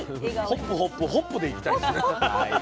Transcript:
ホップホップホップでいきたいですね。